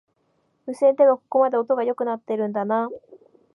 無線でもここまで音が良くなってんだな